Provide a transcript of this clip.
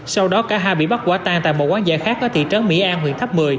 sau đó cả hai bị bắt quả tan tại một quán giải khác ở thị trấn mỹ an huyện tháp một mươi